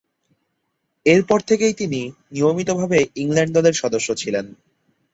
এরপর থেকেই তিনি নিয়মিতভাবে ইংল্যান্ড দলের সদস্য ছিলেন।